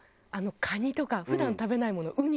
カニとか普段食べないものウニとか。